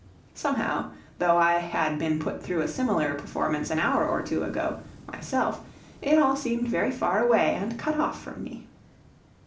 Somehow, though I had been put through a similar performance an hour or two ago, myself, it all seemed very far away and cut off from me.